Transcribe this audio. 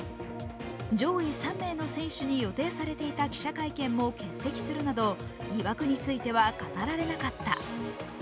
上位３名の選手の予定されていた記者会見も欠席するなど疑惑については語られなかった。